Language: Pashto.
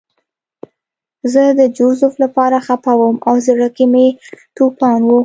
زه د جوزف لپاره خپه وم او زړه کې مې توپان و